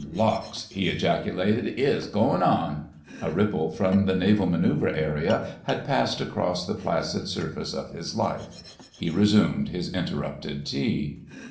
"Lawks!" he ejaculated, "'ere's goin's on!" A ripple from the Naval Manoeuvre Area had passed across the placid surface of his life. He resumed his interrupted tea.